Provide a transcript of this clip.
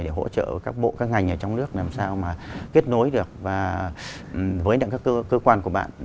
để hỗ trợ các ngành ở trong nước làm sao mà kết nối được với các cơ quan của bạn